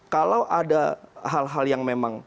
kalau ada hal hal yang memang